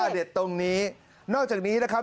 เด็ดตรงนี้นอกจากนี้นะครับ